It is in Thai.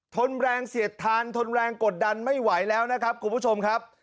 ทนแรงเสียดทานทนแรงกดดันไม่ไหวแล้วนะครับคุณผู้ชมครับ